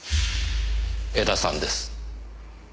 江田さんです。